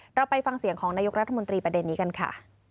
เราไปฟังเสียงของนายกรัฐมนตรีประเด็นนี้กันค่ะ